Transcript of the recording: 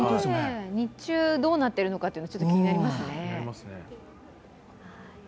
日中どうなってるのか、気になりますね。